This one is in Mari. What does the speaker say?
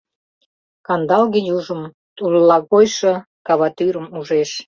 Кандалге южым, туллагойшо каватӱрым ужеш.